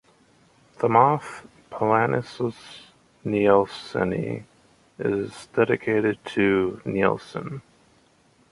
The moth "Pollanisus nielseni" is dedicated to Nielsen.